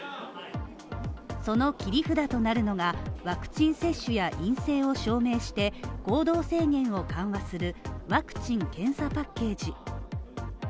その切り札となるのが、ワクチン接種や陰性を証明して、行動制限を緩和するワクチン検査パッケージ。